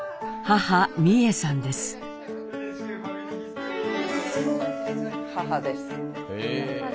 母です。